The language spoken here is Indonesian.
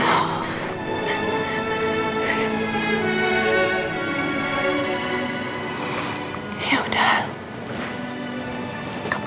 aku mesti ceraiin sama nino mbak